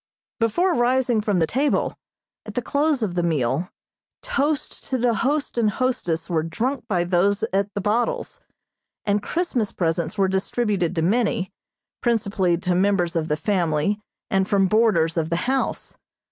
Before rising from the table, at the close of the meal, toasts to the host and hostess were drunk by those at the bottles, and Christmas presents were distributed to many, principally to members of the family and from boarders of the house.